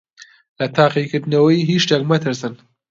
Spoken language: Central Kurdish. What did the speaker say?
لە تاقیکردنەوەی هیچ شتێک مەترسن.